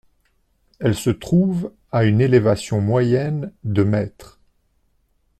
Elle se trouve à une élévation moyenne de mètres.